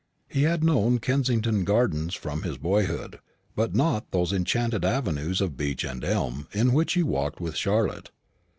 He had known Kensington gardens from his boyhood; but not those enchanted avenues of beech and elm in which he walked with Charlotte.